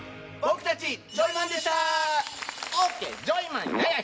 僕たち。